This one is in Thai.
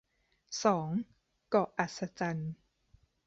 สอง เกาะอัศจรรย์